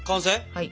はい。